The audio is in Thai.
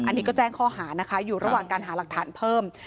อันนี้ก็แจ้งข้อหานะคะอยู่ระหว่างการหาหลักฐานเพิ่ม